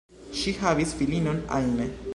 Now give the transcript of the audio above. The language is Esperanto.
Ŝi havis filinon, Anne.